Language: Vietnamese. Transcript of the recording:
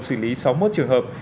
xử lý sáu mươi một trường hợp